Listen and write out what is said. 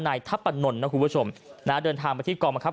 นายทัพปะนนท์นะครับคุณผู้ชมนะฮะเดินทางมาที่กรอบมันครับ